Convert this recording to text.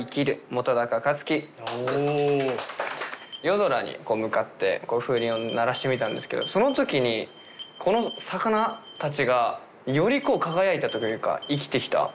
夜空に向かって風鈴を鳴らしてみたんですけどその時にこの魚たちがより輝いたというか生きてきた。